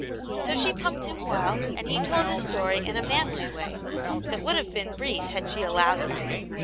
So she pumped him well, and he told his story in a manly way, that would have beea brief had she allowed it.